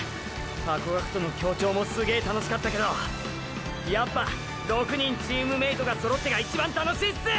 ハコガクとの協調もすげぇ楽しかったけどやっぱ６人チームメイトが揃ってが一番楽しいす！！